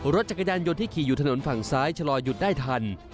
รถจักรยานยนต์ที่ขี่อยู่ถนนฝั่งซ้ายชะลอยหยุดได้ทัน